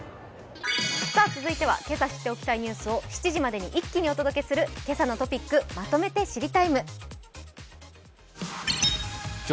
続いては今朝知っておきたいニュースを７時までに一気にお届けする「けさのトピックまとめて知りＴＩＭＥ，」